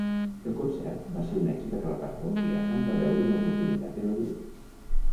El concert va ser un èxit aclaparador i Graham va veure una oportunitat en el grup.